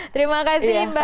terima kasih mbak